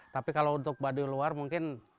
tapi kalau untuk baduy luar mungkin